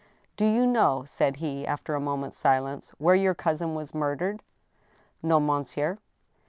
" Do you know," said he, after a monrent's silence, '* where your cousin was murdered ?" "No, monsieur."